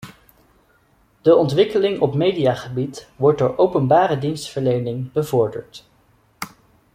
De ontwikkeling op mediagebied wordt door openbare dienstverlening bevorderd.